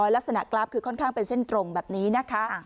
ลักษณะกราฟคือค่อนข้างเป็นเส้นตรงแบบนี้นะคะ